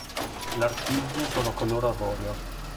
L'artigli sono color avorio.